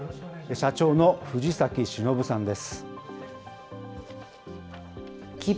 社長の藤崎忍さんです。